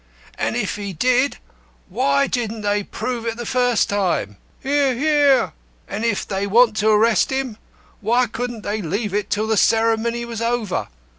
"And if he did, why didn't they prove it the first time?" "Hear, Hear!" "And if they want to arrest him, why couldn't they leave it till the ceremony was over?